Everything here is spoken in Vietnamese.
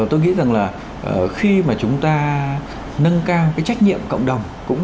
tôi nghĩ rằng là khi mà chúng ta nâng cao cái trách nhiệm cộng đồng cũng